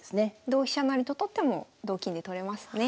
同飛車成と取っても同金で取れますね。